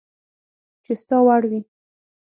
چي ستا وړ وي